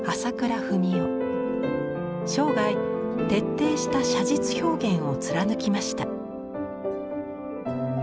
生涯徹底した写実表現を貫きました。